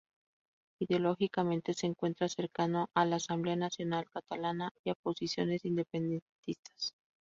Ideológicamente se encuentra cercano a la Asamblea Nacional Catalana y a posiciones independentistas.